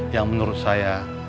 yang menurut saya